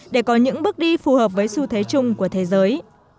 để có những bước đi phù hợp với xu thế chung của thế giới